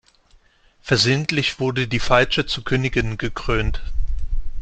Versehentlich wurde die Falsche zur Königin gekrönt.